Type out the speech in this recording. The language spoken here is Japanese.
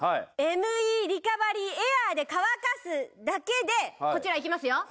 ＭＥリカバリーエアーで乾かすだけでこちらいきますよ